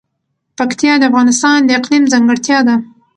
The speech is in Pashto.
پکتیا د افغانستان د اقلیم ځانګړتیا ده.